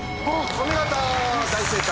お見事大正解です。